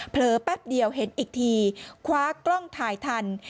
แป๊บเดียวเห็นอีกทีคว้ากล้องถ่ายทัน